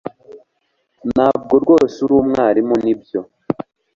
Ntabwo rwose uri umwarimu nibyo